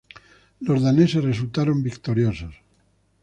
Los daneses resultaron victoriosos.